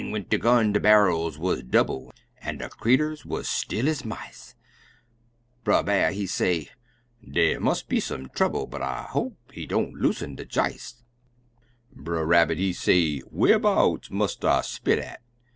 went de gun de barrels wuz double An' de creeturs wuz still ez mice; Brer B'ar he say, "Dy must be some trouble, But I hope heedon't loosen de j'is!" Brer Rabbit, he say, "Wharbouts mus' I spit at?"